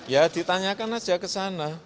ya ditanyakan aja ke sana